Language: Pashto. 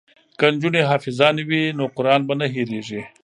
که نجونې حافظانې وي نو قران به نه هیریږي.